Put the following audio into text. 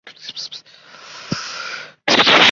基础生态位是物种能够持续存在的一系列环境条件。